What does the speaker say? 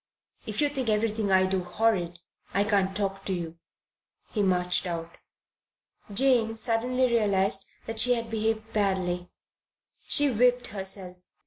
"If you think everything I do horrid, I can't talk to you." He marched out. Jane suddenly realized that she had behaved badly. She whipped herself.